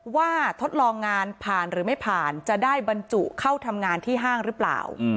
ทดลองงานผ่านหรือไม่ผ่านจะได้บรรจุเข้าทำงานที่ห้างหรือเปล่า